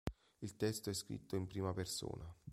Il testo è scritto in prima persona.